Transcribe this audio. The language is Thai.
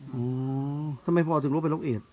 อ๋อหรออ๋อทำไมพ่อเอาจึงลูกเป็นลูกเอี๊ด